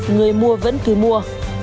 người mua vẫn cứ mua